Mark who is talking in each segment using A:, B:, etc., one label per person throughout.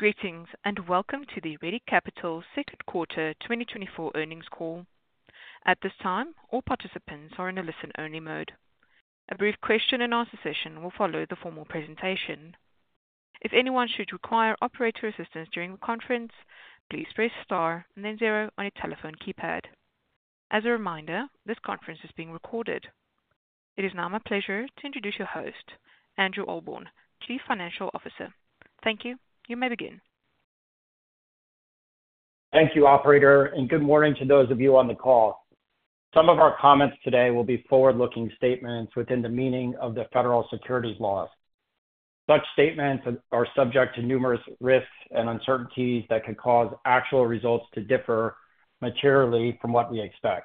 A: Greetings, and welcome to the Ready Capital Second Quarter 2024 Earnings Conference Call. At this time, all participants are in a listen-only mode. A brief question-and-answer session will follow the formal presentation. If anyone should require operator assistance during the conference, please press star and then zero on your telephone keypad. As a reminder, this conference is being recorded. It is now my pleasure to introduce your host, Andrew Ahlborn, Chief Financial Officer. Thank you. You may begin.
B: Thank you, Operator, and good morning to those of you on the call. Some of our comments today will be forward-looking statements within the meaning of the Federal Securities laws. Such statements are subject to numerous risks and uncertainties that could cause actual results to differ materially from what we expect.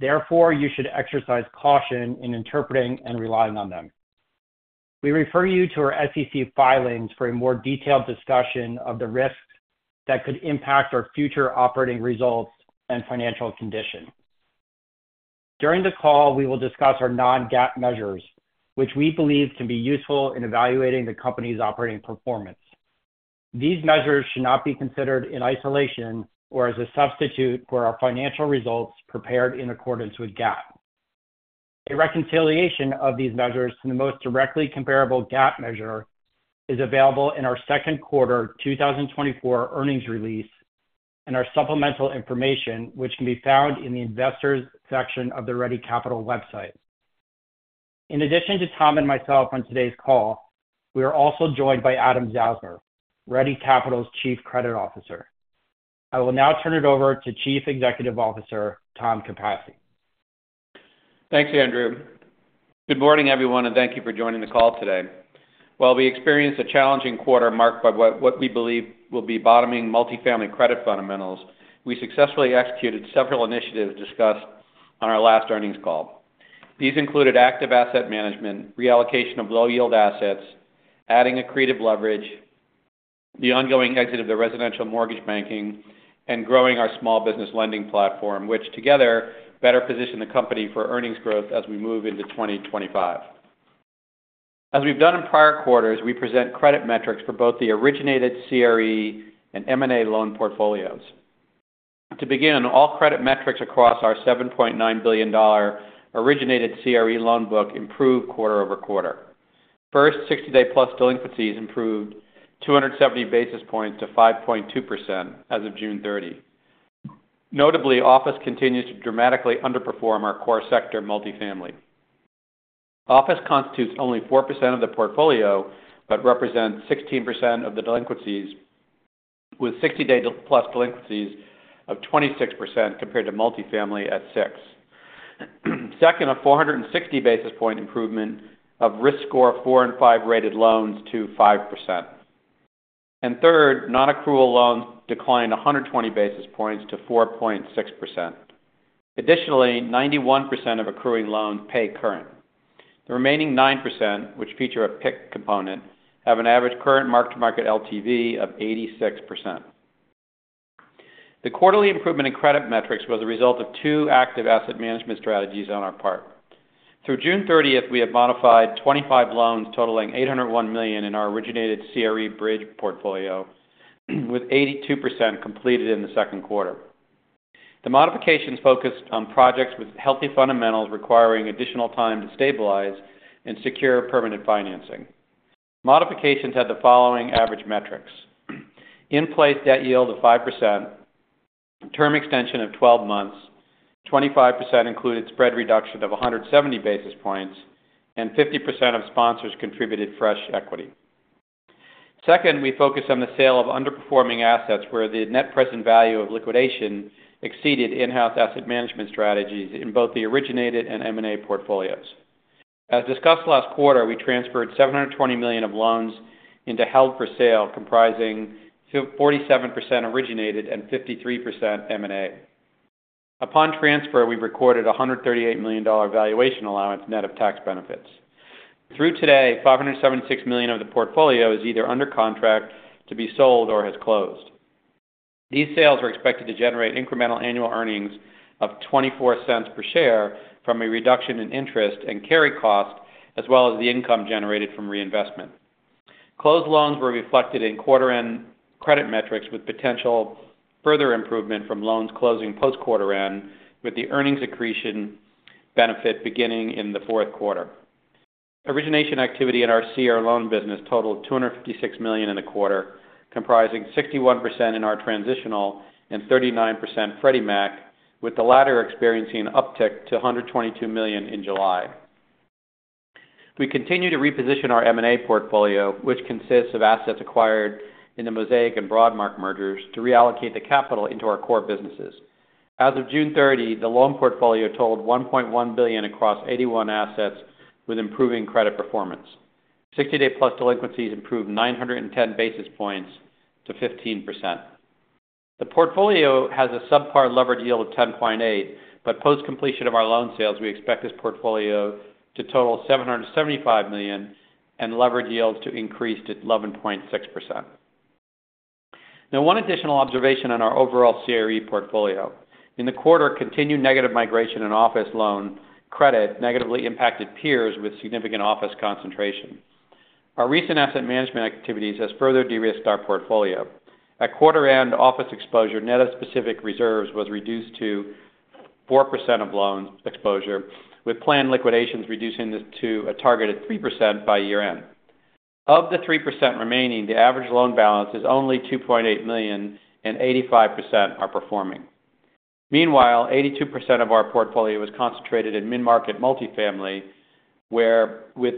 B: Therefore, you should exercise caution in interpreting and relying on them. We refer you to our SEC filings for a more detailed discussion of the risks that could impact our future operating results and financial condition. During the call, we will discuss our non-GAAP measures, which we believe can be useful in evaluating the company's operating performance. These measures should not be considered in isolation or as a substitute for our financial results prepared in accordance with GAAP. A reconciliation of these measures to the most directly comparable GAAP measure is available in our second quarter 2024 earnings release and our supplemental information, which can be found in the Investors section of the Ready Capital website. In addition to Tom and myself on today's call, we are also joined by Adam Zausmer, Ready Capital's Chief Credit Officer. I will now turn it over to Chief Executive Officer, Tom Capasse.
C: Thanks, Andrew. Good morning, everyone, and thank you for joining the call today. While we experienced a challenging quarter marked by what we believe will be bottoming multifamily credit fundamentals, we successfully executed several initiatives discussed on our last earnings call. These included active asset management, reallocation of low-yield assets, adding accretive leverage, the ongoing exit of the residential mortgage banking, and growing our small business lending platform, which together better position the company for earnings growth as we move into 2025. As we've done in prior quarters, we present credit metrics for both the originated CRE and M&A loan portfolios. To begin, all credit metrics across our $7.9 billion originated CRE loan book improved quarter-over-quarter. First, 60-day-plus delinquencies improved 270 basis points to 5.2% as of June 30. Notably, office continues to dramatically underperform our core sector, multifamily. Office constitutes only 4% of the portfolio, but represents 16% of the delinquencies, with 60-day plus delinquencies of 26% compared to multifamily at 6%. Second, a 460 basis point improvement of risk score 4 and 5 rated loans to 5%. Third, nonaccrual loans declined 120 basis points to 4.6%. Additionally, 91% of accruing loans pay current. The remaining 9%, which feature a PIK component, have an average current mark-to-market LTV of 86%. The quarterly improvement in credit metrics was a result of two active asset management strategies on our part. Through June 30th, we have modified 25 loans totaling $801 million in our originated CRE bridge portfolio, with 82% completed in the second quarter. The modifications focused on projects with healthy fundamentals, requiring additional time to stabilize and secure permanent financing. Modifications had the following average metrics: in-place debt yield of 5%, term extension of 12 months, 25% included spread reduction of 170 basis points, and 50% of sponsors contributed fresh equity. Second, we focused on the sale of underperforming assets, where the net present value of liquidation exceeded in-house asset management strategies in both the originated and M&A portfolios. As discussed last quarter, we transferred $720 million of loans into held for sale, comprising 47% originated and 53% M&A. Upon transfer, we recorded a $138 million valuation allowance net of tax benefits. Through today, $576 million of the portfolio is either under contract to be sold or has closed. These sales are expected to generate incremental annual earnings of $0.24 per share from a reduction in interest and carry costs, as well as the income generated from reinvestment. Closed loans were reflected in quarter end credit metrics, with potential further improvement from loans closing post-quarter end, with the earnings accretion benefit beginning in the fourth quarter. Origination activity in our CRE loan business totaled $256 million in the quarter, comprising 61% in our transitional and 39% Freddie Mac, with the latter experiencing an uptick to $122 million in July. We continue to reposition our M&A portfolio, which consists of assets acquired in the Mosaic and Broadmark mergers, to reallocate the capital into our core businesses. As of June 30, the loan portfolio totaled $1.1 billion across 81 assets with improving credit performance. 60-day-plus delinquencies improved 910 basis points to 15%. The portfolio has a subpar levered yield of 10.8, but post-completion of our loan sales, we expect this portfolio to total $775 million and levered yields to increase to 11.6%.... Now, one additional observation on our overall CRE portfolio. In the quarter, continued negative migration and office loan credit negatively impacted peers with significant office concentration. Our recent asset management activities has further de-risked our portfolio. At quarter end, office exposure, net of specific reserves, was reduced to 4% of loan exposure, with planned liquidations reducing this to a targeted 3% by year-end. Of the 3% remaining, the average loan balance is only $2.8 million, and 85% are performing. Meanwhile, 82% of our portfolio was concentrated in mid-market multifamily, where with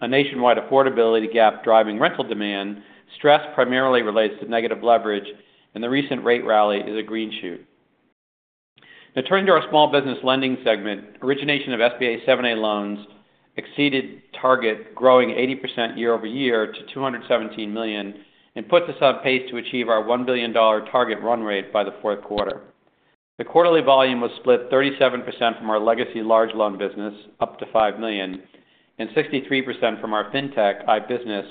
C: a nationwide affordability gap driving rental demand, stress primarily relates to negative leverage, and the recent rate rally is a green shoot. Now, turning to our small business lending segment, origination of SBA 7(a) loans exceeded target, growing 80% year-over-year to $217 million, and puts us on pace to achieve our $1 billion target run rate by the fourth quarter. The quarterly volume was split 37% from our legacy large loan business, up to $5 million, and 63% from our FinTech iBusiness,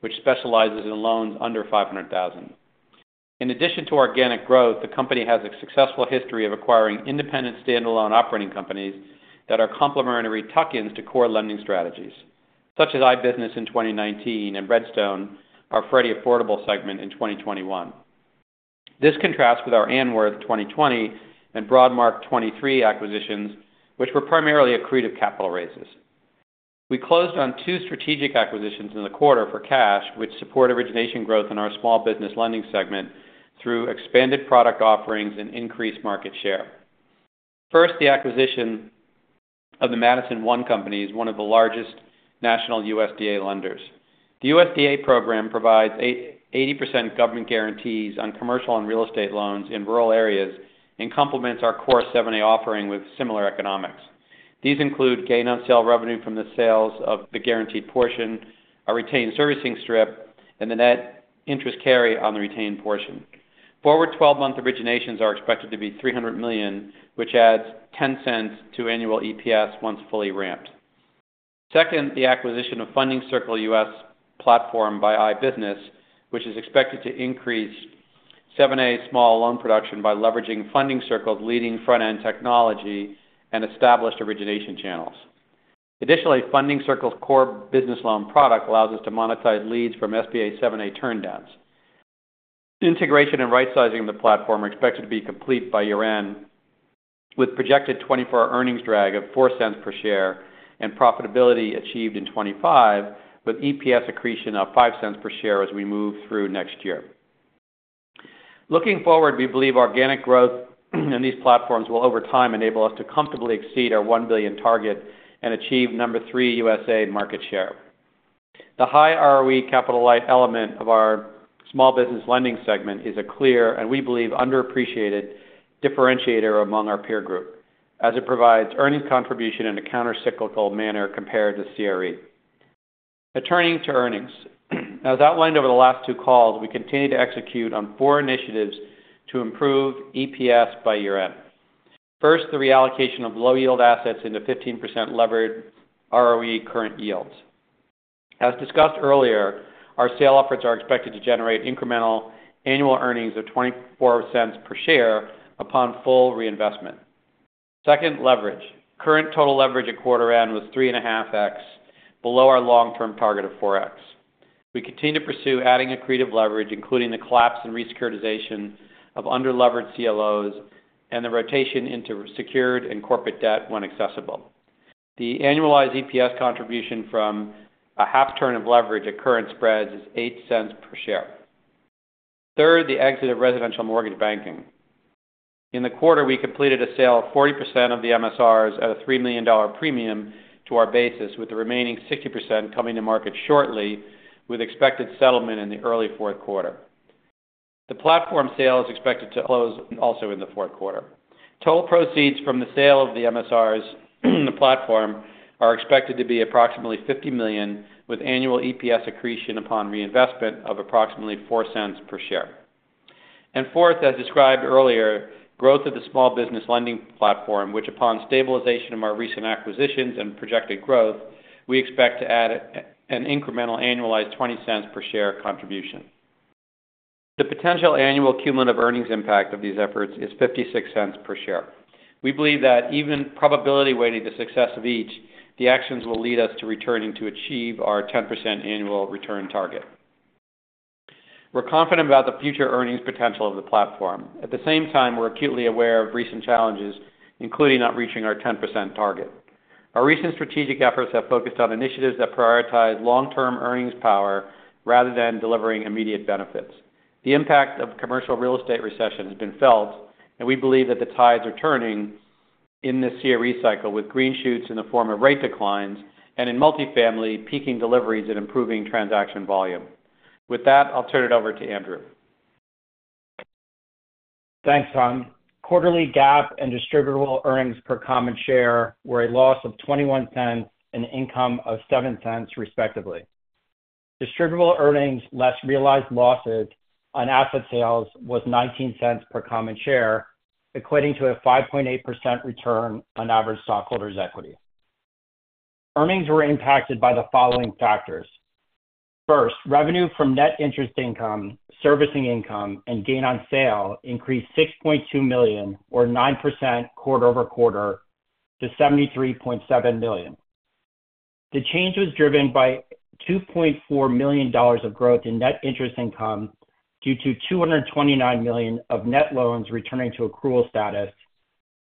C: which specializes in loans under $500,000. In addition to organic growth, the company has a successful history of acquiring independent standalone operating companies that are complementary tuck-ins to core lending strategies, such as iBusiness in 2019 and Red Stone, our Freddie affordable segment in 2021. This contrasts with our Anworth 2020 and Broadmark 2023 acquisitions, which were primarily accretive capital raises. We closed on two strategic acquisitions in the quarter for cash, which support origination growth in our small business lending segment through expanded product offerings and increased market share. First, the acquisition of the Madison One Company is one of the largest national USDA lenders. The USDA program provides 80% government guarantees on commercial and real estate loans in rural areas and complements our core 7(a) offering with similar economics. These include gain on sale revenue from the sales of the guaranteed portion, a retained servicing strip, and the net interest carry on the retained portion. Forward 12-month originations are expected to be $300 million, which adds $0.10 to annual EPS once fully ramped. Second, the acquisition of Funding Circle US platform by iBusiness, which is expected to increase SBA 7(a) small loan production by leveraging Funding Circle's leading front-end technology and established origination channels. Additionally, Funding Circle's core business loan product allows us to monetize leads from SBA 7(a) turndowns. Integration and rightsizing of the platform are expected to be complete by year-end, with projected 2024 earnings drag of $0.04 per share and profitability achieved in 2025, with EPS accretion of $0.05 per share as we move through next year. Looking forward, we believe organic growth in these platforms will, over time, enable us to comfortably exceed our $1 billion target and achieve No. 3 U.S. market share. The high ROE capital-light element of our small business lending segment is a clear, and we believe, underappreciated differentiator among our peer group, as it provides earnings contribution in a countercyclical manner compared to CRE. Now turning to earnings. As outlined over the last 2 calls, we continue to execute on 4 initiatives to improve EPS by year-end. First, the reallocation of low-yield assets into 15% levered ROE current yields. As discussed earlier, our sale efforts are expected to generate incremental annual earnings of $0.24 per share upon full reinvestment. Second, leverage. Current total leverage at quarter end was 3.5x, below our long-term target of 4x. We continue to pursue adding accretive leverage, including the collapse and re-securitization of under-levered CLOs and the rotation into secured and corporate debt when accessible. The annualized EPS contribution from a half turn of leverage at current spreads is $0.08 cents per share. Third, the exit of residential mortgage banking. In the quarter, we completed a sale of 40% of the MSRs at a $3 million premium to our basis, with the remaining 60% coming to market shortly, with expected settlement in the early fourth quarter. The platform sale is expected to close also in the fourth quarter. Total proceeds from the sale of the MSRs and the platform are expected to be approximately $50 million, with annual EPS accretion upon reinvestment of approximately $0.04 cents per share. And fourth, as described earlier, growth of the small business lending platform, which, upon stabilization of our recent acquisitions and projected growth, we expect to add an incremental annualized $0.20 per share contribution. The potential annual cumulative earnings impact of these efforts is $0.56 per share. We believe that even probability weighting the success of each, the actions will lead us to returning to achieve our 10% annual return target. We're confident about the future earnings potential of the platform. At the same time, we're acutely aware of recent challenges, including not reaching our 10% target. Our recent strategic efforts have focused on initiatives that prioritize long-term earnings power rather than delivering immediate benefits. The impact of commercial real estate recession has been felt, and we believe that the tides are turning in this CRE cycle, with green shoots in the form of rate declines and in multifamily, peaking deliveries and improving transaction volume. With that, I'll turn it over to Andrew.
B: Thanks, Tom. Quarterly GAAP and distributable earnings per common share were a loss of $0.21 and income of $0.07, respectively. Distributable earnings less realized losses on asset sales was $0.19 per common share, equating to a 5.8% return on average stockholders' equity. Earnings were impacted by the following factors: First, revenue from net interest income, servicing income, and gain on sale increased $6.2 million or 9% quarter-over-quarter to $73.7 million. The change was driven by $2.4 million of growth in net interest income due to $229 million of net loans returning to accrual status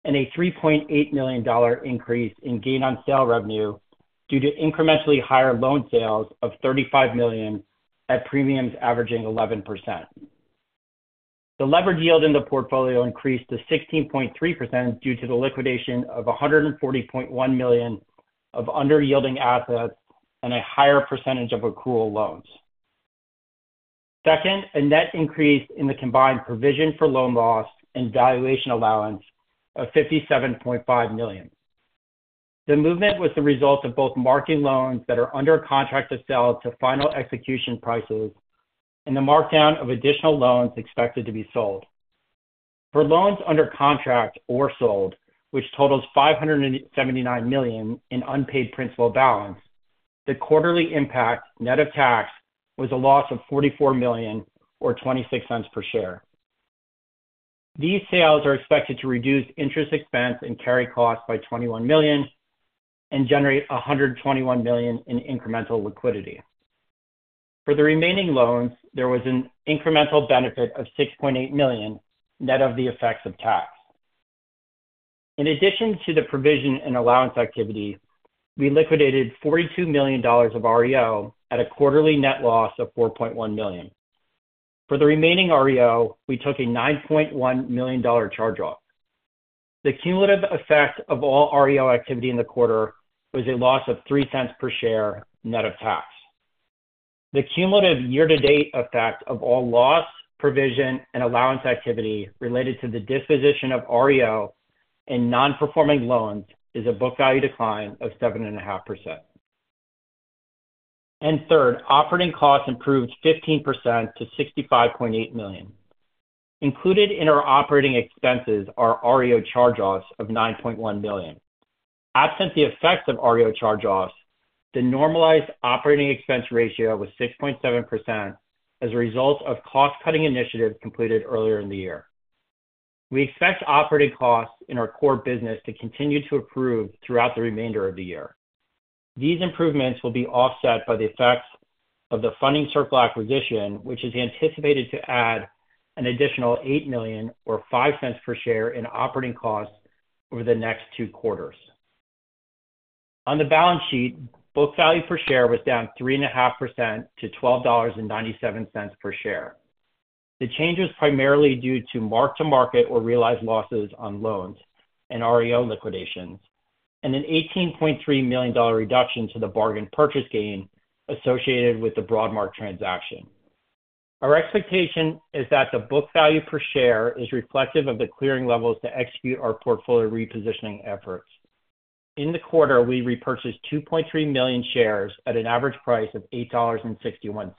B: and a $3.8 million increase in gain on sale revenue due to incrementally higher loan sales of $35 million at premiums averaging 11%. The leverage yield in the portfolio increased to 16.3% due to the liquidation of $140.1 million of underyielding assets and a higher percentage of accrual loans. Second, a net increase in the combined provision for loan loss and valuation allowance of $57.5 million. The movement was the result of both marking loans that are under contract to sell to final execution prices and the markdown of additional loans expected to be sold. For loans under contract or sold, which totals $579 million in unpaid principal balance, the quarterly impact, net of tax, was a loss of $44 million or $0.26 per share. These sales are expected to reduce interest expense and carry costs by $21 million and generate $121 million in incremental liquidity. For the remaining loans, there was an incremental benefit of $6.8 million, net of the effects of tax. In addition to the provision and allowance activity, we liquidated $42 million of REO at a quarterly net loss of $4.1 million. For the remaining REO, we took a $9.1 million charge-off. The cumulative effect of all REO activity in the quarter was a loss of $0.03 per share, net of tax. The cumulative year-to-date effect of all loss, provision, and allowance activity related to the disposition of REO and non-performing loans is a book value decline of 7.5%. And third, operating costs improved 15% to $65.8 million. Included in our operating expenses are REO charge-offs of $9.1 million. Absent the effects of REO charge-offs, the normalized operating expense ratio was 6.7% as a result of cost-cutting initiatives completed earlier in the year. We expect operating costs in our core business to continue to improve throughout the remainder of the year. These improvements will be offset by the effects of the Funding Circle acquisition, which is anticipated to add an additional $8 million or $0.05 per share in operating costs over the next two quarters. On the balance sheet, book value per share was down 3.5% to $12.97 per share. The change was primarily due to mark-to-market or realized losses on loans and REO liquidations, and an $18.3 million reduction to the bargain purchase gain associated with the Broadmark transaction. Our expectation is that the book value per share is reflective of the clearing levels to execute our portfolio repositioning efforts. In the quarter, we repurchased 2.3 million shares at an average price of $8.61.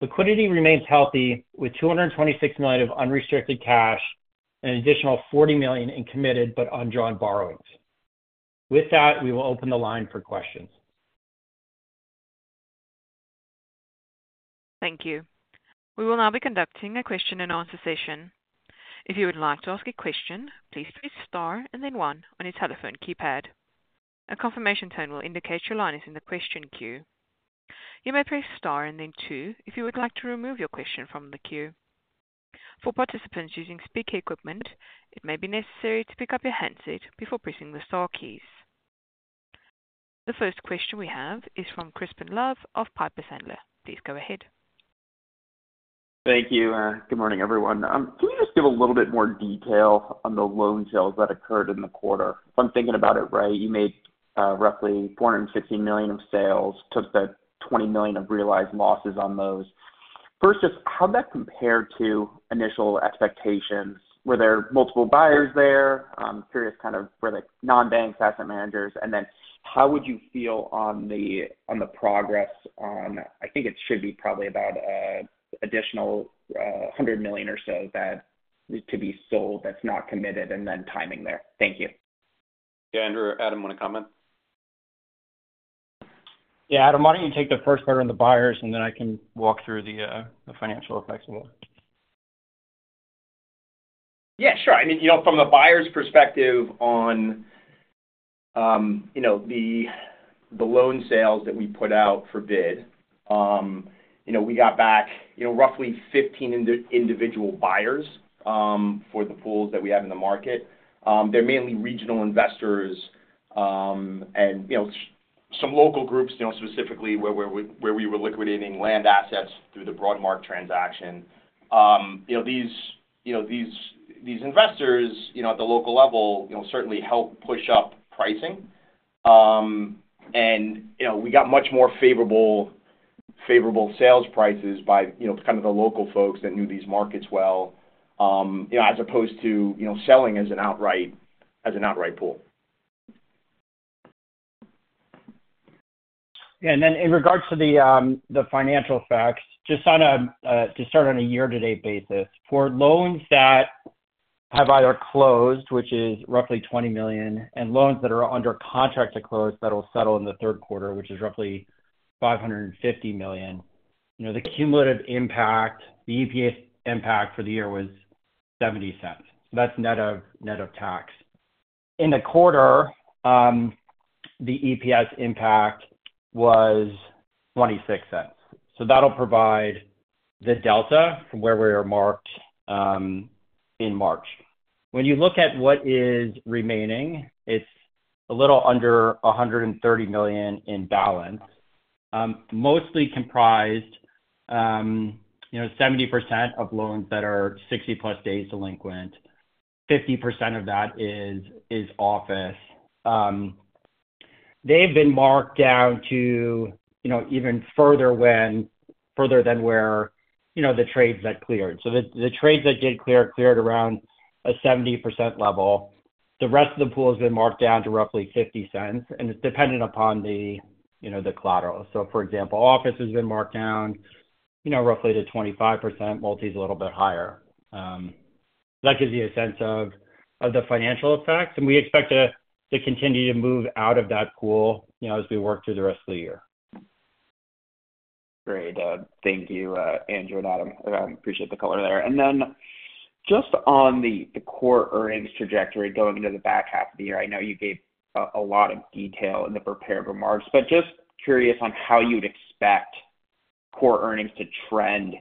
B: Liquidity remains healthy, with $226 million of unrestricted cash and an additional $40 million in committed but undrawn borrowings. With that, we will open the line for questions.
A: Thank you. We will now be conducting a question-and-answer session. If you would like to ask a question, please press star and then one on your telephone keypad. A confirmation tone will indicate your line is in the question queue. You may press star and then two if you would like to remove your question from the queue. For participants using speaker equipment, it may be necessary to pick up your handset before pressing the star keys. The first question we have is from Crispin Love of Piper Sandler. Please go ahead.
D: Thank you, and good morning, everyone. Can you just give a little bit more detail on the loan sales that occurred in the quarter? If I'm thinking about it right, you made roughly $416 million of sales, took the $20 million of realized losses on those. First, just how'd that compare to initial expectations? Were there multiple buyers there? Curious kind of where the non-bank asset managers, and then how would you feel on the, on the progress on... I think it should be probably about additional $100 million or so that is to be sold that's not committed, and then timing there. Thank you.
C: Yeah. Andrew or Adam, want to comment?
B: Yeah, Adam, why don't you take the first part on the buyers, and then I can walk through the financial effects more.
E: Yeah, sure. I mean, you know, from the buyer's perspective on, you know, the loan sales that we put out for bid, you know, we got back, you know, roughly 15 individual buyers, for the pools that we have in the market. They're mainly regional investors, and, you know, some local groups, you know, specifically where we were liquidating land assets through the Broadmark transaction. You know, these investors, you know, at the local level, you know, certainly help push up pricing. And, you know, we got much more favorable sales prices by, you know, kind of the local folks that knew these markets well, you know, as opposed to, you know, selling as an outright pool.
B: And then in regards to the financial facts, just on a to start on a year-to-date basis, for loans that have either closed, which is roughly $20 million, and loans that are under contract to close, that will settle in the third quarter, which is roughly $550 million. You know, the cumulative impact, the EPS impact for the year was $0.70. So that's net of, net of tax. In the quarter, the EPS impact was $0.26. So that'll provide the delta from where we were marked in March. When you look at what is remaining, it's a little under $130 million in balance, mostly comprised, you know, 70% of loans that are 60+ days delinquent. 50% of that is office. They've been marked down to, you know, even further further than where, you know, the trades that cleared. So the, the trades that did clear, cleared around a 70% level. The rest of the pool has been marked down to roughly $0.50, and it's dependent upon the, you know, the collateral. So for example, office has been marked down, you know, roughly to 25%. Multi is a little bit higher. That gives you a sense of, of the financial effects, and we expect to, to continue to move out of that pool, you know, as we work through the rest of the year.
D: Great. Thank you, Andrew and Adam. I appreciate the color there. And then just on the core earnings trajectory going into the back half of the year, I know you gave a lot of detail in the prepared remarks, but just curious on how you'd expect core earnings to trend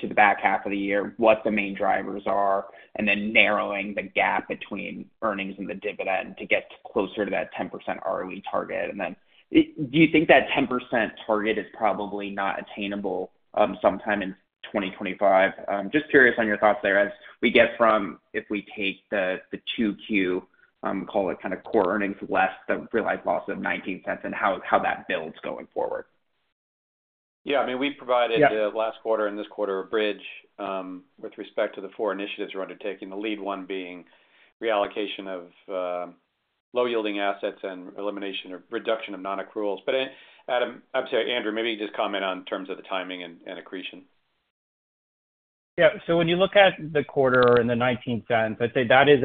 D: to the back half of the year, what the main drivers are, and then narrowing the gap between earnings and the dividend to get closer to that 10% ROE target. And then, do you think that 10% target is probably not attainable, sometime in 2025? Just curious on your thoughts there as we get from, if we take the 2Q, call it kind of core earnings, less the realized loss of $0.19 and how that builds going forward.
C: Yeah, I mean, we provided-
D: Yeah...
C: the last quarter and this quarter a bridge, with respect to the four initiatives we're undertaking, the lead one being reallocation of low-yielding assets and elimination or reduction of nonaccruals. But Adam, I'm sorry, Andrew, maybe just comment on terms of the timing and accretion.
B: Yeah. So when you look at the quarter and the $0.19, I'd say that is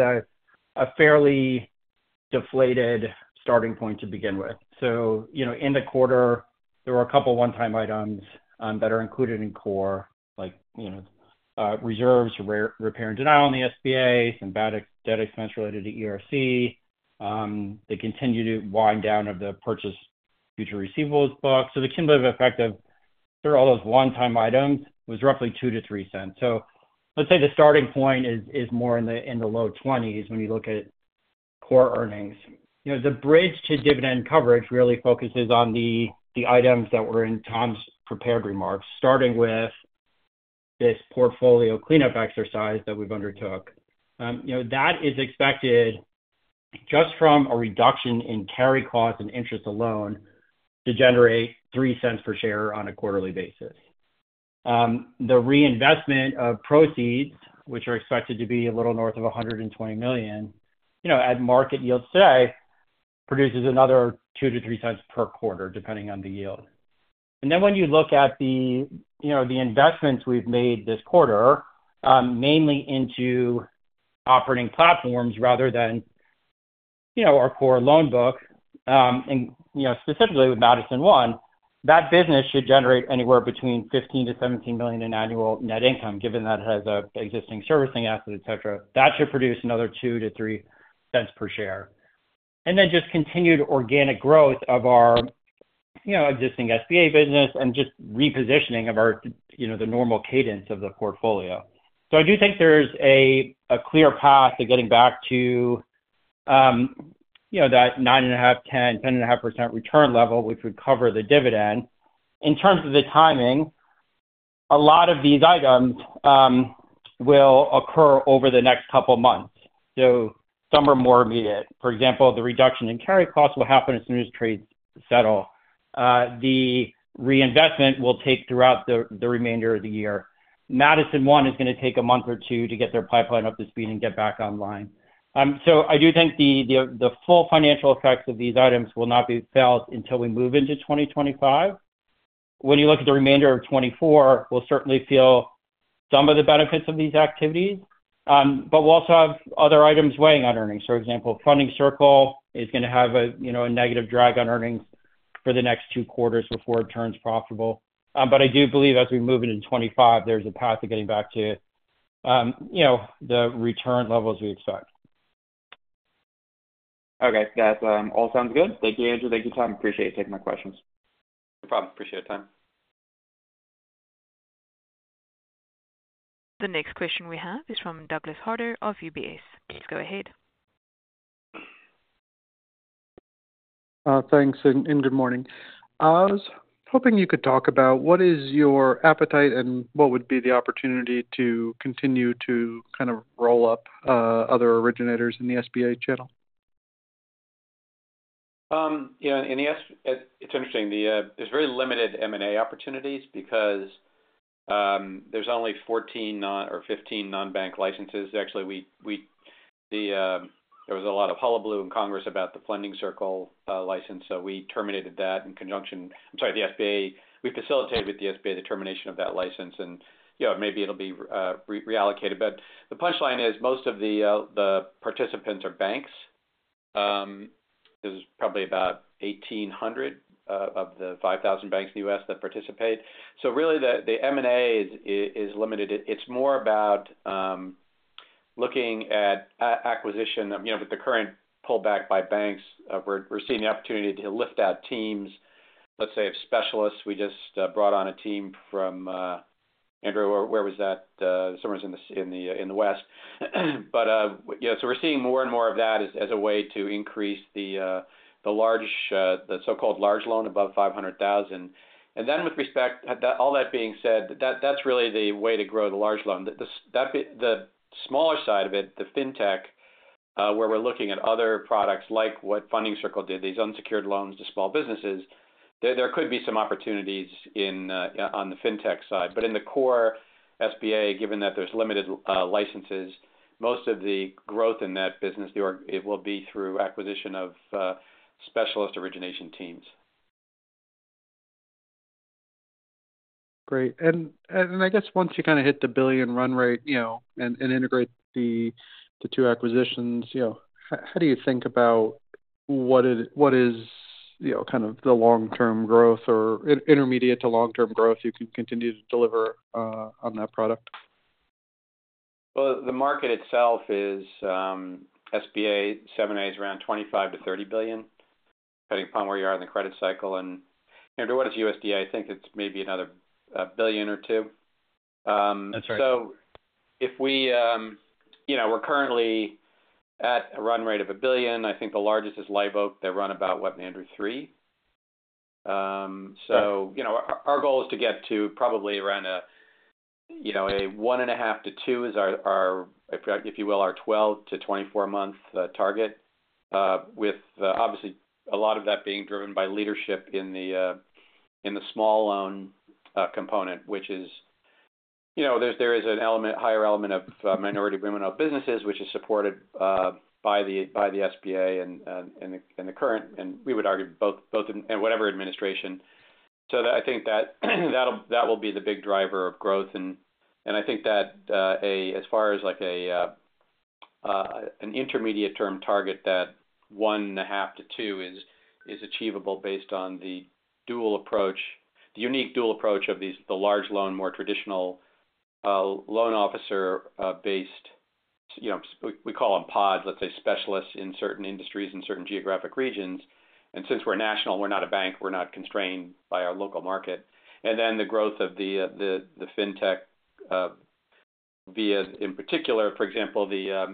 B: a fairly deflated starting point to begin with. So, you know, in the quarter, there were a couple of one-time items that are included in core, like, you know, reserves, repair and denial in the SBA, some bad debt expense related to ERC. They continue to wind down of the purchase future receivables book. So the cumulative effect of through all those one-time items was roughly $0.02-$0.03. So let's say the starting point is more in the low 20s when you look at core earnings. You know, the bridge to dividend coverage really focuses on the items that were in Tom's prepared remarks, starting with this portfolio cleanup exercise that we've undertook. You know, that is expected just from a reduction in carry costs and interest alone, to generate $0.03 per share on a quarterly basis. The reinvestment of proceeds, which are expected to be a little north of $120 million, you know, at market yields today, produces another $0.02-$0.03 per quarter, depending on the yield. And then when you look at the, you know, the investments we've made this quarter, mainly into operating platforms rather than, you know, our core loan book, and, you know, specifically with Madison One, that business should generate anywhere between $15 million-$17 million in annual net income, given that it has an existing servicing asset, etc. That should produce another $0.02-$0.03 per share. And then just continued organic growth of our, you know, existing SBA business and just repositioning of our, you know, the normal cadence of the portfolio. So I do think there's a clear path to getting back to, you know, that 9.5%, 10%, 10.5% return level, which would cover the dividend. In terms of the timing, a lot of these items will occur over the next couple of months. So some are more immediate. For example, the reduction in carry costs will happen as soon as trades settle. The reinvestment will take throughout the remainder of the year. Madison One is going to take a month or two to get their pipeline up to speed and get back online. So I do think the full financial effects of these items will not be felt until we move into 2025. When you look at the remainder of 2024, we'll certainly feel some of the benefits of these activities, but we'll also have other items weighing on earnings. For example, Funding Circle is going to have a, you know, a negative drag on earnings for the next 2 quarters before it turns profitable. But I do believe as we move into 2025, there's a path to getting back to, you know, the return levels we expect.
D: Okay. That all sounds good. Thank you, Andrew. Thank you, Tom. Appreciate you taking my questions.
C: No problem. Appreciate your time.
A: The next question we have is from Douglas Harter of UBS. Please go ahead.
F: Thanks, and, and good morning. I was hoping you could talk about what is your appetite and what would be the opportunity to continue to kind of roll up, other originators in the SBA channel?
C: Yeah, in the SBA, it's interesting. There's very limited M&A opportunities because... There's only 14 or 15 non-bank licenses. Actually, there was a lot of hullabaloo in Congress about the Funding Circle license, so we terminated that in conjunction, I'm sorry, the SBA. We facilitated with the SBA, the termination of that license, and, you know, maybe it'll be reallocated. But the punchline is, most of the participants are banks. There's probably about 1,800 of the 5,000 banks in the U.S. that participate. So really, the M&A is limited. It's more about looking at acquisition, you know, with the current pullback by banks, we're seeing the opportunity to lift out teams, let's say, of specialists. We just brought on a team from... Andrew, where, where was that? Somewhere in the West. But, yeah, so we're seeing more and more of that as a way to increase the large, the so-called large loan, above $500,000. And then with respect, that, all that being said, that's really the way to grow the large loan. The smaller side of it, the fintech, where we're looking at other products, like what Funding Circle did, these unsecured loans to small businesses, there could be some opportunities on the fintech side. But in the core SBA, given that there's limited licenses, most of the growth in that business, it will be through acquisition of specialist origination teams.
F: Great. And I guess once you kind of hit the $1 billion run rate, you know, and integrate the two acquisitions, you know, how do you think about what is, you know, kind of the long-term growth or intermediate to long-term growth you could continue to deliver on that product?
C: Well, the market itself is SBA 7(a) is around $25 billion-$30 billion, depending upon where you are in the credit cycle. And Andrew, what is USDA? I think it's maybe another $1 billion or $2 billion.
B: That's right.
C: So if we, you know, we're currently at a run rate of $1 billion. I think the largest is Live Oak. They run about, what, Andrew? $3 billion. So, you know, our goal is to get to probably around a, you know, $1.5 billion-$2 billion is our, our, if you, if you will, our 12- to 24-month target. With, obviously, a lot of that being driven by leadership in the, in the small loan component, which is, you know, there is a higher element of minority women-owned businesses, which is supported by the SBA and the current, and we would argue both in whatever administration. So that, I think that, that will be the big driver of growth. I think that, as far as, like, an intermediate-term target, that 1.5-2 is achievable based on the unique dual approach of the large loan, more traditional loan officer based, you know, we call them pods, let's say, specialists in certain industries and certain geographic regions. And since we're national, we're not a bank, we're not constrained by our local market. And then the growth of the fintech via, in particular, for example,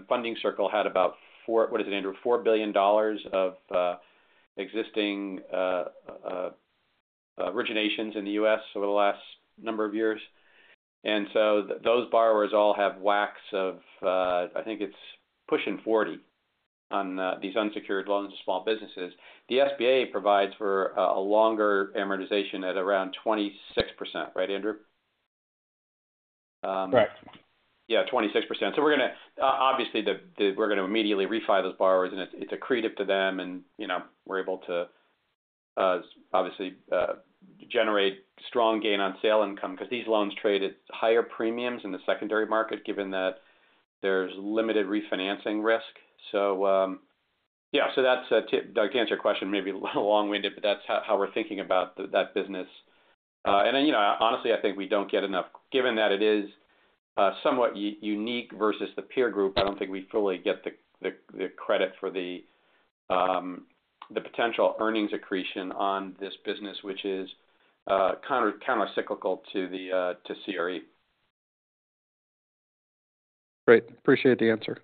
C: Funding Circle had about $4 billion what is it, Andrew? of existing originations in the U.S. over the last number of years. And so those borrowers all have WACs of, I think it's pushing 40% on these unsecured loans to small businesses. The SBA provides for a longer amortization at around 26%. Right, Andrew?
B: Correct.
C: Yeah, 26%. So we're going to obviously we're going to immediately refi those borrowers, and it's accretive to them, and, you know, we're able to, obviously, generate strong gain on sale income because these loans trade at higher premiums in the secondary market, given that there's limited refinancing risk. So, yeah, so that's to answer your question, maybe a little long-winded, but that's how we're thinking about that business. And then, you know, honestly, I think we don't get enough... Given that it is, somewhat unique versus the peer group, I don't think we fully get the credit for the, the potential earnings accretion on this business, which is, countercyclical to the CRE.
F: Great. Appreciate the answer.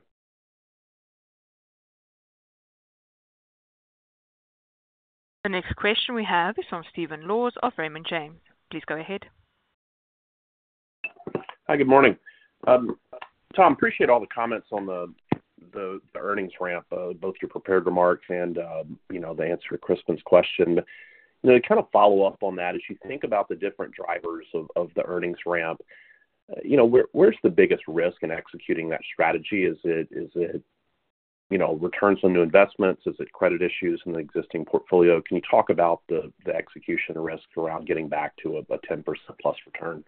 A: The next question we have is from Stephen Laws of Raymond James. Please go ahead.
G: Hi, good morning. Tom, appreciate all the comments on the earnings ramp, both your prepared remarks and, you know, the answer to Crispin's question. You know, to kind of follow up on that, as you think about the different drivers of the earnings ramp, you know, where's the biggest risk in executing that strategy? Is it, you know, returns on new investments? Is it credit issues in the existing portfolio? Can you talk about the execution risk around getting back to a 10%+ return?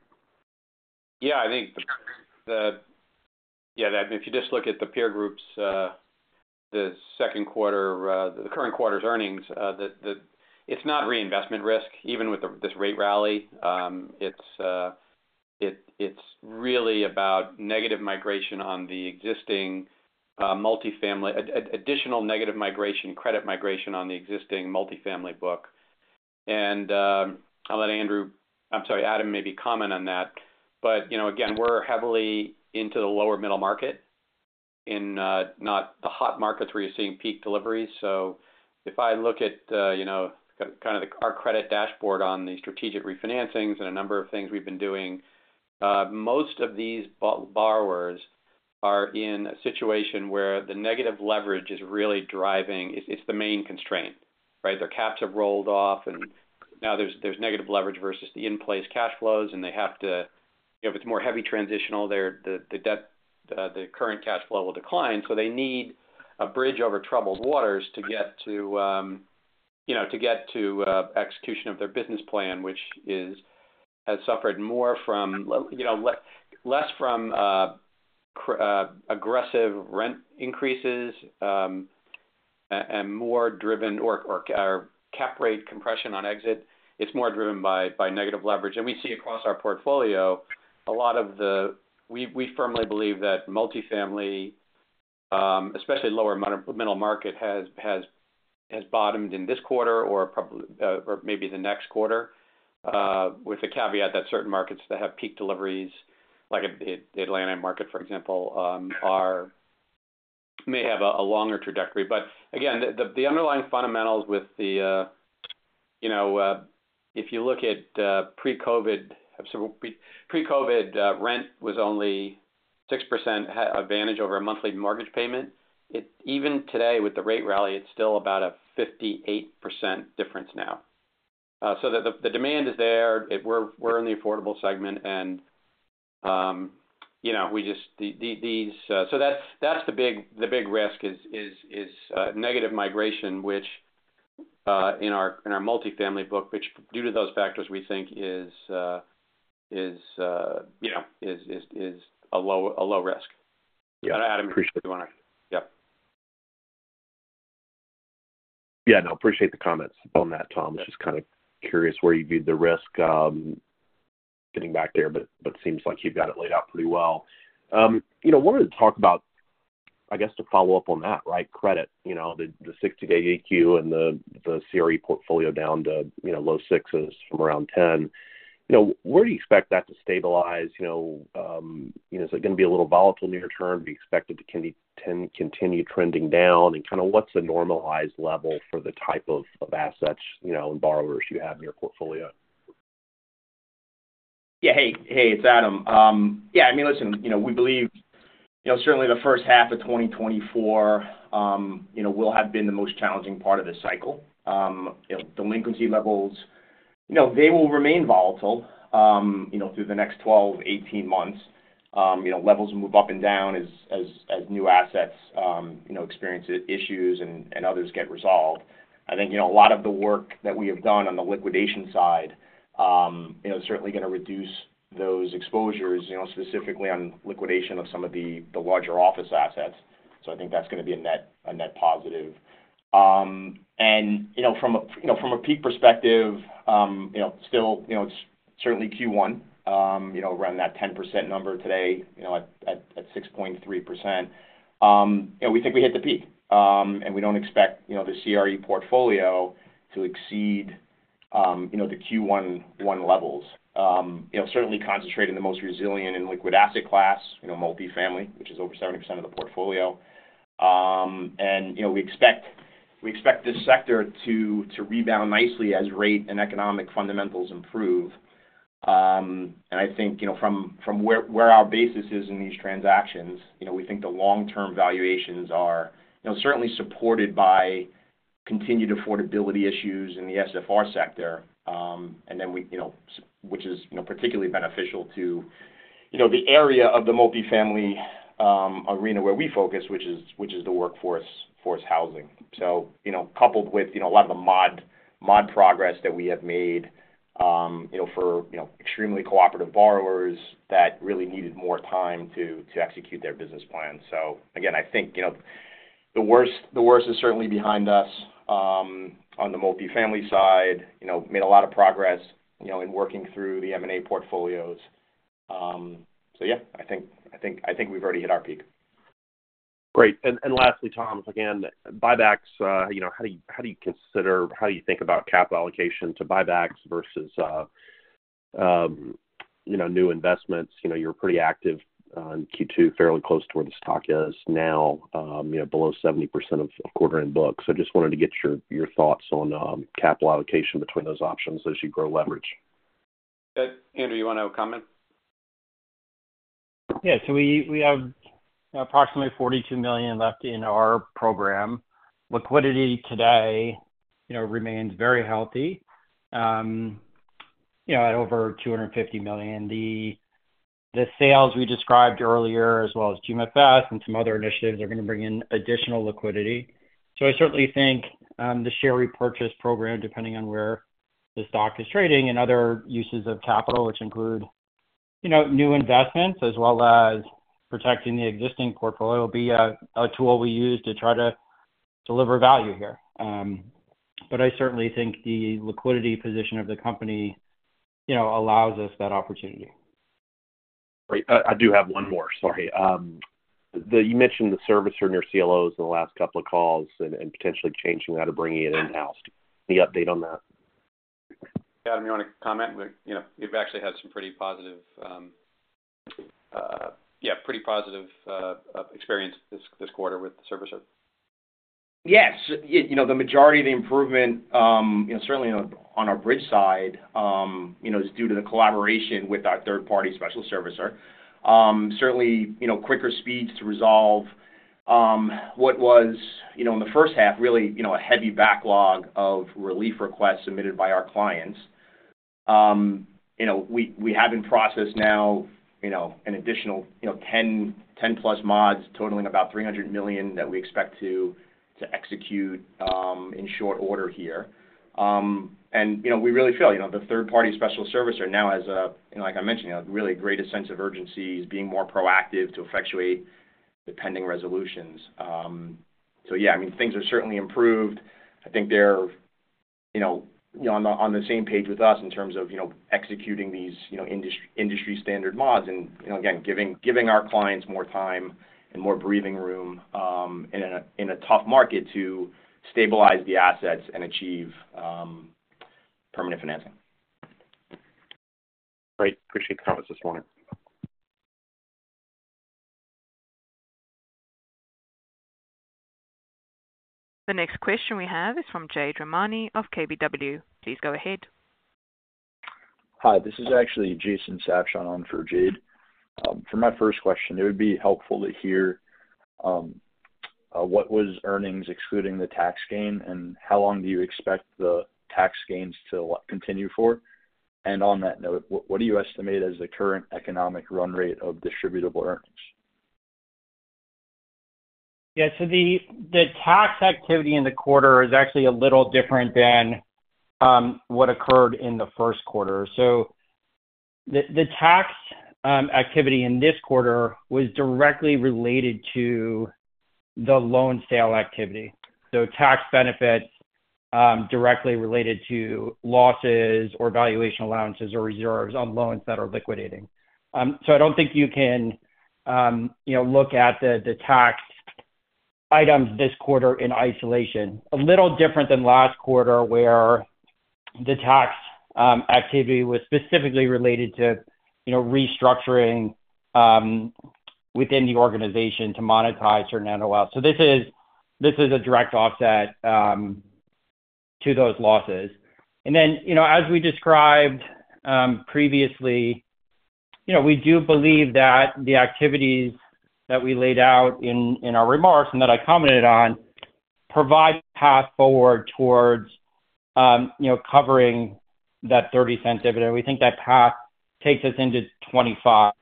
C: Yeah, I think. Yeah, if you just look at the peer groups, the second quarter, the current quarter's earnings, it's not reinvestment risk, even with this rate rally. It's really about negative migration on the existing multifamily, additional negative migration, credit migration on the existing multifamily book. I'll let Andrew, I'm sorry, Adam, maybe comment on that. But, you know, again, we're heavily into the lower middle market in not the hot markets where you're seeing peak deliveries. So if I look at, you know, kind of the our credit dashboard on the strategic refinancings and a number of things we've been doing, most of these borrowers are in a situation where the negative leverage is really driving, it's the main constraint, right? Their caps have rolled off, and now there's negative leverage versus the in-place cash flows, and they have to, you know, if it's more heavy transitional, their debt, the current cash flow will decline. So they need a bridge over troubled waters to get to, you know, to get to execution of their business plan, which has suffered more from, you know, less from aggressive rent increases, and more driven or cap rate compression on exit. It's more driven by negative leverage. We see across our portfolio, a lot of the—we firmly believe that multifamily, especially lower middle market, has bottomed in this quarter or maybe the next quarter, with the caveat that certain markets that have peak deliveries, like the Atlanta market, for example, may have a longer trajectory. But again, the underlying fundamentals with the, you know, if you look at pre-COVID, so pre-COVID, rent was only 6% advantage over a monthly mortgage payment. It—even today, with the rate rally, it's still about a 58% difference now. So the demand is there. It—we're in the affordable segment, and, you know, we just, the, the, these. So that's the big risk is negative migration, which in our multifamily book, which due to those factors, we think is, you know, a low risk. Yeah, Adam, do you want to? Yep.
G: Yeah, no, appreciate the comments on that, Tom.
C: Yeah.
G: Just kind of curious where you view the risk getting back there, but but seems like you've got it laid out pretty well. You know, wanted to talk about, I guess, to follow up on that, right? Credit, you know, the 60-day EQ and the CRE portfolio down to, you know, low 6s from around 10. You know, where do you expect that to stabilize? You know, you know, is it going to be a little volatile near term? Do you expect it to continue trending down, and kind of what's the normalized level for the type of assets, you know, and borrowers you have in your portfolio?
E: Yeah. Hey, hey, it's Adam. Yeah, I mean, listen, you know, we believe, you know, certainly the first half of 2024, you know, will have been the most challenging part of the cycle. You know, delinquency levels, you know, they will remain volatile, you know, through the next 12-18 months. You know, levels will move up and down as new assets, you know, experience issues and others get resolved. I think, you know, a lot of the work that we have done on the liquidation side, you know, is certainly going to reduce those exposures, you know, specifically on liquidation of some of the larger office assets. So I think that's going to be a net positive. And, you know, from a peak perspective, you know, still, you know, it's certainly Q1, you know, around that 10% number today, you know, at 6.3%. You know, we think we hit the peak, and we don't expect, you know, the CRE portfolio to exceed, you know, the Q1 2021 levels. You know, certainly concentrated in the most resilient and liquid asset class, you know, multifamily, which is over 70% of the portfolio. And, you know, we expect this sector to rebound nicely as rate and economic fundamentals improve. And I think, you know, from where our basis is in these transactions, you know, we think the long-term valuations are, you know, certainly supported by continued affordability issues in the SFR sector. And then we, you know, which is, you know, particularly beneficial to, you know, the area of the multifamily arena where we focus, which is the workforce housing. So, you know, coupled with, you know, a lot of the modest progress that we have made, you know, for, you know, extremely cooperative borrowers that really needed more time to execute their business plan. So again, I think, you know, the worst is certainly behind us. On the multifamily side, you know, made a lot of progress, you know, in working through the M&A portfolios. So yeah, I think we've already hit our peak.
G: Great. And lastly, Tom, again, buybacks, you know, how do you consider, how do you think about capital allocation to buybacks versus, you know, new investments? You know, you were pretty active in Q2, fairly close to where the stock is now, you know, below 70% of book. So just wanted to get your thoughts on capital allocation between those options as you grow leverage.
C: Andrew, you want to comment?
B: Yeah. So we have approximately $42 million left in our program. Liquidity today, you know, remains very healthy, you know, at over $250 million. The sales we described earlier, as well as GMFS and some other initiatives, are going to bring in additional liquidity. So I certainly think the share repurchase program, depending on where the stock is trading and other uses of capital, which include, you know, new investments as well as protecting the existing portfolio, will be a tool we use to try to deliver value here. But I certainly think the liquidity position of the company, you know, allows us that opportunity.
G: Great. I do have one more, sorry. You mentioned the servicer in your CLOs in the last couple of calls and potentially changing that or bringing it in-house. Any update on that?
C: Adam, you want to comment? You know, we've actually had some pretty positive experience this quarter with the servicer.
E: Yes, you know, the majority of the improvement, you know, certainly on our bridge side, you know, is due to the collaboration with our third-party special servicer. Certainly, you know, quicker speeds to resolve, what was, you know, in the first half, really, you know, a heavy backlog of relief requests submitted by our clients. You know, we have in process now, you know, an additional, you know, 10, 10-plus mods totaling about $300 million that we expect to execute in short order here. And, you know, we really feel, you know, the third-party special servicer now has a, you know, like I mentioned, a really greater sense of urgency, is being more proactive to effectuate the pending resolutions. So yeah, I mean, things have certainly improved. I think they're, you know, on the same page with us in terms of, you know, executing these, you know, industry-standard mods, and, you know, again, giving our clients more time and more breathing room, in a tough market to stabilize the assets and achieve permanent financing.
G: Great. Appreciate the comments this morning.
A: The next question we have is from Jade Rahmani of KBW. Please go ahead.
H: Hi, this is actually Jason Sabshon on for Jade. For my first question, it would be helpful to hear what was earnings excluding the tax gain, and how long do you expect the tax gains to continue for? And on that note, what do you estimate as the current economic run rate of distributable earnings?
B: Yeah, so the tax activity in the quarter is actually a little different than what occurred in the first quarter. So the tax activity in this quarter was directly related to the loan sale activity, so tax benefits directly related to losses or valuation allowances or reserves on loans that are liquidating. So I don't think you can you know look at the tax items this quarter in isolation. A little different than last quarter, where the tax activity was specifically related to you know restructuring within the organization to monetize certain NOLs. So this is a direct offset to those losses. Then, you know, as we described previously, you know, we do believe that the activities that we laid out in our remarks, and that I commented on, provide a path forward towards, you know, covering that $0.30 dividend. We think that path takes us into 2025.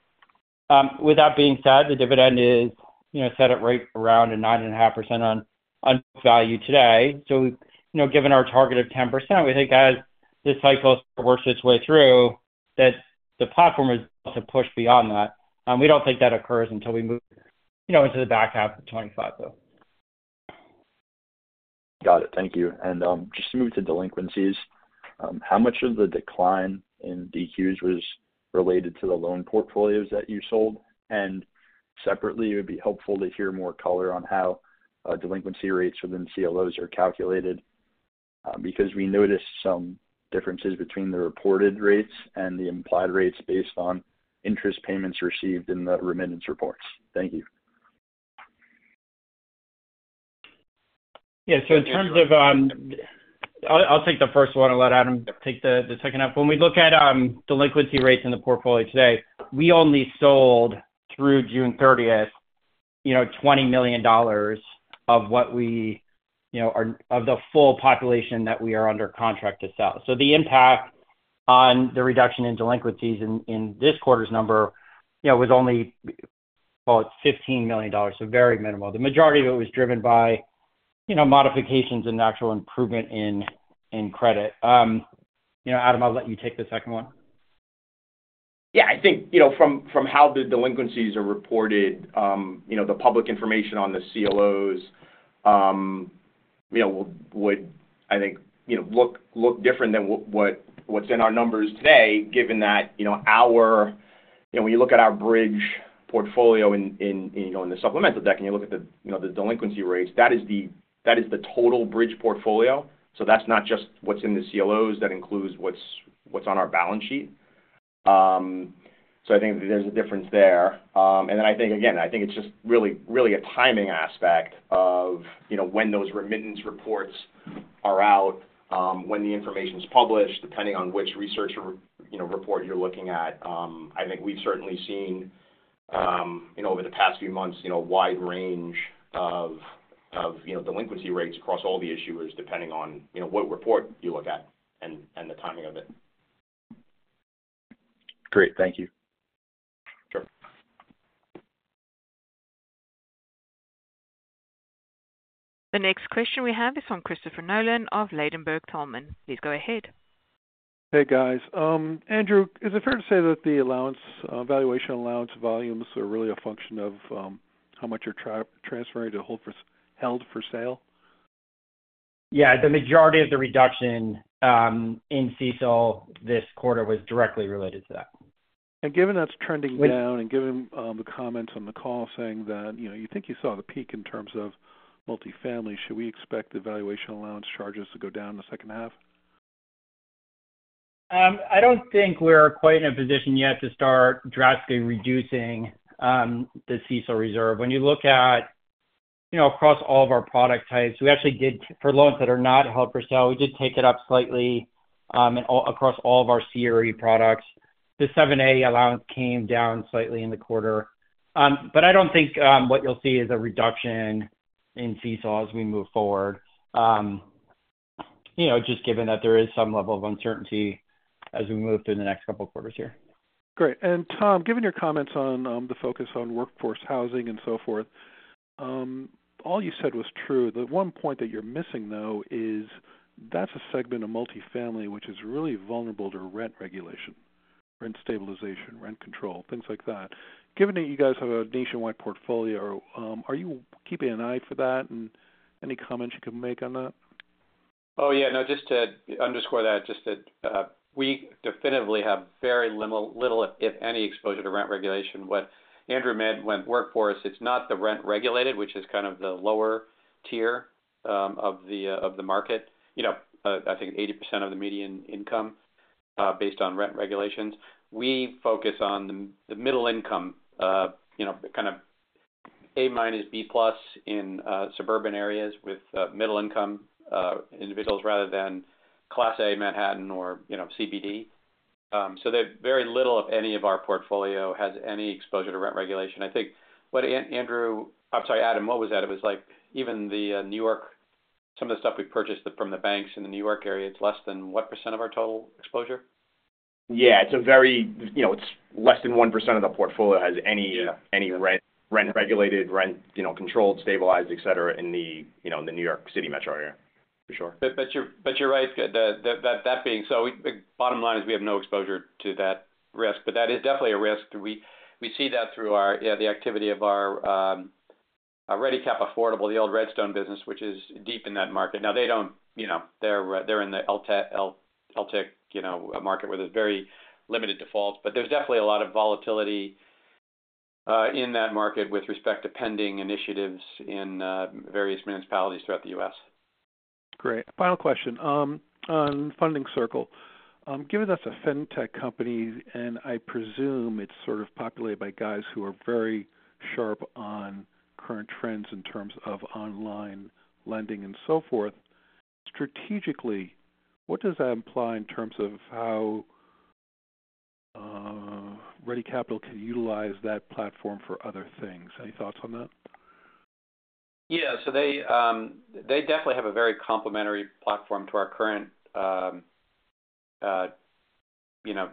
B: With that being said, the dividend is, you know, set at right around 9.5% on value today. So, you know, given our target of 10%, we think as this cycle works its way through, that the platform is to push beyond that. We don't think that occurs until we move, you know, into the back half of 2025, though.
H: Got it. Thank you. Just to move to delinquencies, how much of the decline in DQs was related to the loan portfolios that you sold? And separately, it would be helpful to hear more color on how delinquency rates within CLOs are calculated, because we noticed some differences between the reported rates and the implied rates based on interest payments received in the remittance reports. Thank you.
B: Yeah, so in terms of... I'll, I'll take the first one and let Adam take the, the second half. When we look at delinquency rates in the portfolio today, we only sold through June 30th, you know, $20 million of what we, you know, are, of the full population that we are under contract to sell. So the impact on the reduction in delinquencies in, in this quarter's number, you know, was only about $15 million, so very minimal. The majority of it was driven by, you know, modifications and natural improvement in, in credit. You know, Adam, I'll let you take the second one.
E: Yeah, I think, you know, from how the delinquencies are reported, you know, the public information on the CLOs, you know, would, I think, you know, look different than what's in our numbers today, given that, you know, our... You know, when you look at our bridge portfolio in, you know, in the supplemental deck, and you look at the, you know, the delinquency rates, that is the total bridge portfolio. So that's not just what's in the CLOs. That includes what's on our balance sheet. So I think there's a difference there. And then I think, again, I think it's just really, really a timing aspect of, you know, when those remittance reports are out, when the information's published, depending on which research report you're looking at. I think we've certainly seen, you know, over the past few months, you know, a wide range of, you know, delinquency rates across all the issuers, depending on, you know, what report you look at and the timing of it.
H: Great. Thank you.
E: Sure.
A: The next question we have is from Christopher Nolan of Ladenburg Thalmann. Please go ahead.
I: Hey, guys. Andrew, is it fair to say that the allowance, valuation allowance volumes are really a function of, how much you're transferring to held for sale?
B: Yeah, the majority of the reduction in CECL this quarter was directly related to that.
I: Given that's trending down-
B: W-
I: Given the comments on the call saying that, you know, you think you saw the peak in terms of multifamily, should we expect the valuation allowance charges to go down in the second half?
B: I don't think we're quite in a position yet to start drastically reducing the CECL reserve. When you look at, you know, across all of our product types, we actually did for loans that are not held for sale, we did take it up slightly, and across all of our CRE products. The 7(a) allowance came down slightly in the quarter. But I don't think what you'll see is a reduction in CECL as we move forward. You know, just given that there is some level of uncertainty as we move through the next couple of quarters here.
I: Great. And Tom, given your comments on the focus on workforce housing and so forth, all you said was true. The one point that you're missing, though, is that's a segment of multifamily which is really vulnerable to rent regulation, rent stabilization, rent control, things like that. Given that you guys have a nationwide portfolio, are you keeping an eye for that? And any comments you can make on that?
C: Oh, yeah. No, just to underscore that, just that, we definitively have very little, if any, exposure to rent regulation. What Andrew meant, when workforce, it's not the rent-regulated, which is kind of the lower tier of the market. You know, I think 80% of the median income based on rent regulations. We focus on the middle income, you know, kind of A minus, B plus in suburban areas with middle income individuals, rather than Class A Manhattan or, you know, CBD. So that very little, if any, of our portfolio has any exposure to rent regulation. I think what Andrew... I'm sorry, Adam, what was that? It was like even the New York, some of the stuff we purchased from the banks in the New York area, it's less than what % of our total exposure?
E: Yeah, you know, it's less than 1% of the portfolio has any-
C: Yeah...
E: any rent, rent-regulated, rent, you know, controlled, stabilized, et cetera, in the, you know, in the New York City metro area, for sure.
C: But you're right. That being so, the bottom line is we have no exposure to that risk, but that is definitely a risk. We see that through the activity of our ReadyCap Affordable, the old Red Stone business, which is deep in that market. Now, they don't, you know, they're in the LIHTC market, where there's very limited defaults. But there's definitely a lot of volatility in that market with respect to pending initiatives in various municipalities throughout the U.S.
I: Great. Final question. On Funding Circle, given that's a fintech company, and I presume it's sort of populated by guys who are very sharp on current trends in terms of online lending and so forth, strategically, what does that imply in terms of how, Ready Capital can utilize that platform for other things? Any thoughts on that?
C: Yeah, so they, they definitely have a very complementary platform to our current, you know,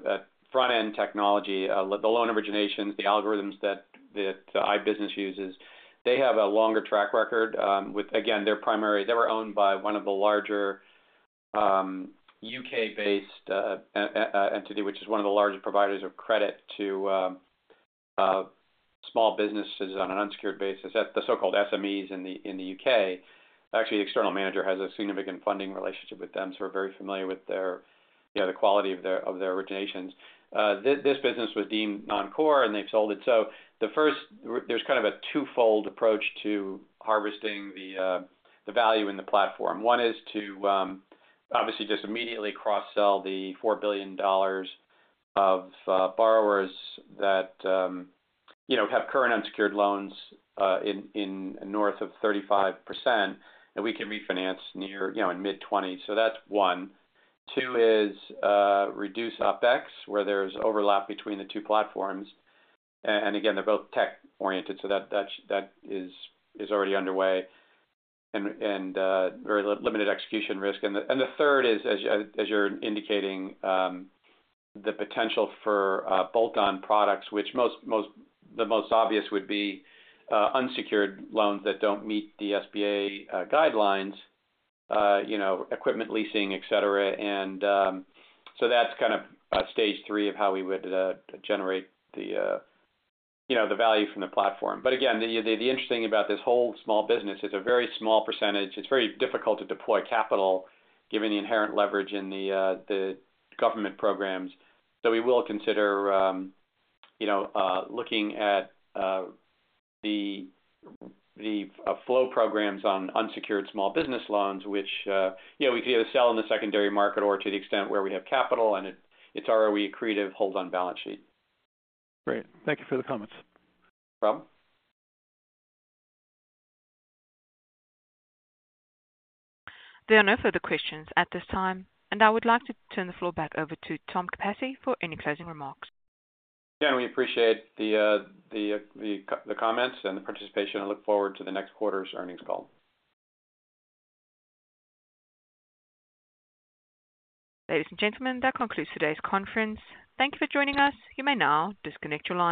C: front-end technology, the loan originations, the algorithms that the iBusiness uses. They have a longer track record, with, again, their primary- They were owned by one of the larger U.K.-based entity, which is one of the largest providers of credit to small businesses on an unsecured basis, at the so-called SMEs in the U.K. Actually, the external manager has a significant funding relationship with them, so we're very familiar with their, yeah, the quality of their originations. This business was deemed non-core, and they've sold it. So the first- there's kind of a twofold approach to harvesting the value in the platform. One is to obviously just immediately cross-sell the $4 billion of borrowers that you know have current unsecured loans in north of 35%, that we can refinance near you know in mid-20%. So that's one. Two is to reduce OpEx, where there's overlap between the two platforms. And again, they're both tech-oriented, so that is already underway and very limited execution risk. And the third is, as you're indicating, the potential for bolt-on products, which the most obvious would be unsecured loans that don't meet the SBA guidelines, you know, equipment leasing, et cetera. And so that's kind of stage three of how we would generate you know the value from the platform. But again, the interesting about this whole small business, it's a very small percentage. It's very difficult to deploy capital given the inherent leverage in the government programs. So we will consider, you know, looking at the flow programs on unsecured small business loans, which, you know, we can either sell in the secondary market or to the extent where we have capital, and it, it's ROE accretive, holds on balance sheet.
I: Great. Thank you for the comments.
C: No problem.
A: There are no further questions at this time, and I would like to turn the floor back over to Tom Capasse for any closing remarks.
C: Again, we appreciate the comments and the participation and look forward to the next quarter's earnings call.
A: Ladies and gentlemen, that concludes today's conference. Thank you for joining us. You may now disconnect your line.